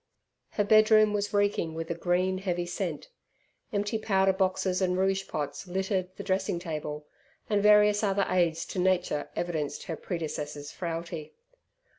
Her bedroom was recking with a green heavy scent. Empty powder boxes and rouge pots littered the dressing table, and various other aids to nature evidenced her predecessor's frailty.